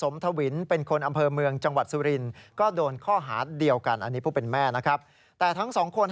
มึงจะจดแล้ว